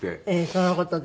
その事で。